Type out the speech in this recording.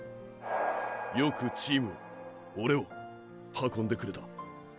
よくチームをオレを運んでくれた。